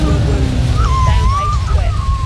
تايون ڀائي سٺو هي.